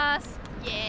イエイ！